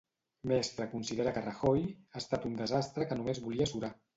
Mestre considera que Rajoy "ha estat un desastre que només volia surar".